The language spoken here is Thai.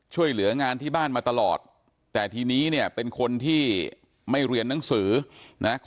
ช่วยเหลืองานที่บ้านมาตลอดแต่ทีนี้เนี่ยเป็นคนที่ไม่เรียนหนังสือนะ